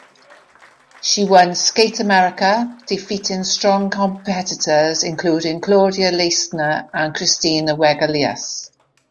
She won Skate America, defeating strong competitors including Claudia Leistner and Kristina Wegelius.